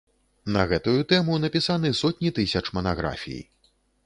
На гэтую тэму напісаны сотні тысяч манаграфій.